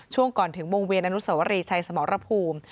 ช่วงก่อนถึงวงเวียนอนุสวรีชัยสมรภูมิ